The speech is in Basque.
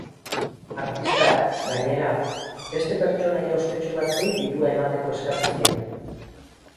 Artistak, gainera, beste pertsonaia ospetsu batzuei dirua emateko eskatu zien.